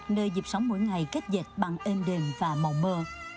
nơi dịp sống mỗi ngày kết dệt bằng êm đềm và mộng mơ